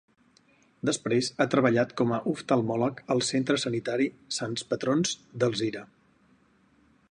Després ha treballat com a oftalmòleg del Centre Sanitari Sants Patrons d'Alzira.